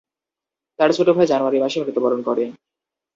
তার ছোট ভাই জানুয়ারি মাসে মৃত্যুবরণ করে।